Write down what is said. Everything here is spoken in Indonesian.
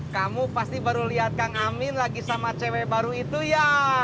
kamu pasti baru lihat kang amin lagi sama cewek baru itu ya